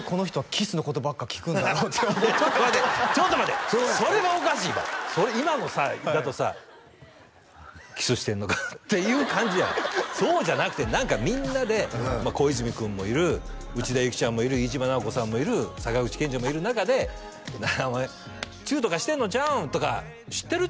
「キスのことばっか聞くんだろう」ってちょっと待てちょっと待てそれはおかしいわそれ今のだとさ「キスしてんのか？」っていう感じじゃないそうじゃなくて何かみんなでまあ小泉君もいる内田有紀ちゃんもいる飯島直子さんもいる坂口憲二もいる中で「お前ちゅーとかしてんのちゃうん？」とか「知ってる？